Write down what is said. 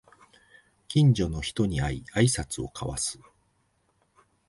近所の人に会いあいさつを交わす